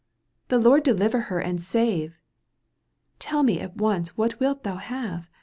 — The Lord deliver her and save ! Tell me at once what wilt thou have